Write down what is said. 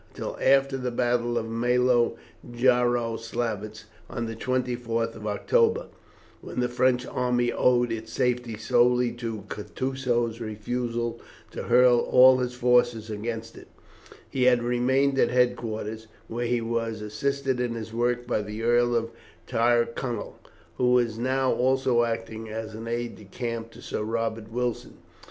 Until after the battle at Malo Jaroslavets on the 24th of October, when the French army owed its safety solely to Kutusow's refusal to hurl all his forces against it, he had remained at headquarters, where he was assisted in his work by the Earl of Tyrconnel, who was now also acting as aide de camp to Sir Robert Wilson.